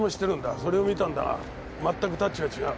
それを見たんだがまったくタッチが違う。